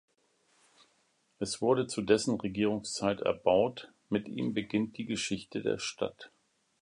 Es wurde zu dessen Regierungszeit erbaut; mit ihm beginnt die Geschichte der Stadt.